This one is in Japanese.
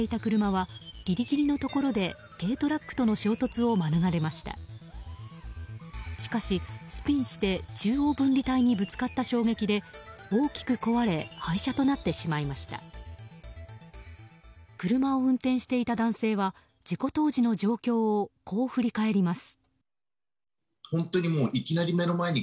車を運転していた男性は事故当時の状況をこう振り返ります。